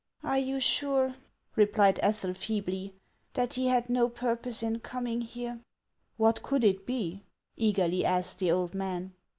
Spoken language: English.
"Are you sure," replied Ethel, feebly, "that he had no purpose in coming here ?"" "What could it be ?" eagerly asked the old man.